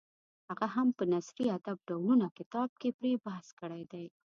هغه هم په نثري ادب ډولونه کتاب کې پرې بحث کړی دی.